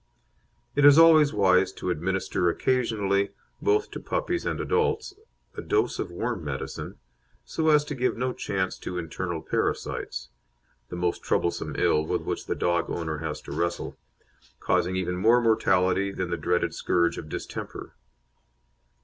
It is always wise to administer occasionally, both to puppies and adults, a dose of worm medicine, so as to give no chance to internal parasites the most troublesome ill with which the dog owner has to wrestle, causing even more mortality than the dreaded scourge of distemper.